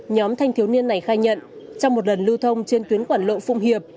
nhóm thanh thiếu niên này khai nhận trong một lần lưu thông trên tuyến quảng lộ phụng hiệp